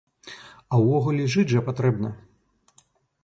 А ўвогуле жыць жа патрэбна.